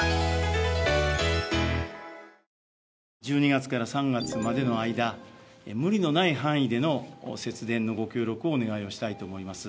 １２月から３月までの間、無理のない範囲での節電のご協力をお願いしたいと思います。